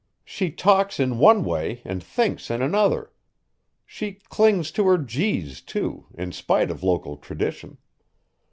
She talks in one way and thinks in another. She clings to her g's, too, in spite of local tradition.